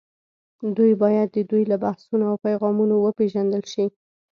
دوی باید د دوی له بحثونو او پیغامونو وپېژندل شي